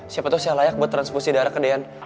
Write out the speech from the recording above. siapa tau saya layak buat transfusi darah ke dean